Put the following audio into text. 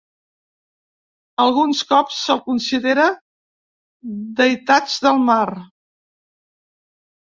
Alguns cops se'ls considera deïtats del mar.